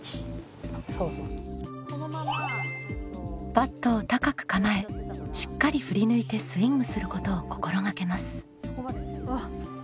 バットを高く構えしっかり振り抜いてスイングすることを心がけます。